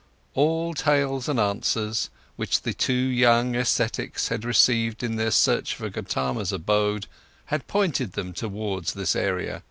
All tales and answers, which the two young ascetics had received in their search for Gotama's abode, had pointed them towards this area.